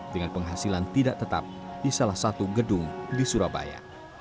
dengan penghasilan tidak tetap di salah satu gedung di surabaya